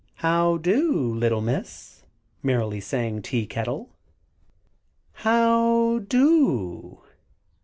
"How do, little Miss?" merrily sang Tea Kettle. "H o w d o?"